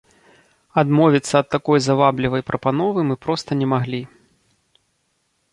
Адмовіцца ад такой заваблівай прапановы мы проста не маглі.